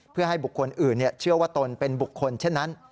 เพื่อให้บุคคลอื่นเชื่อว่าตนเป็นบุคคลเช่นนั้น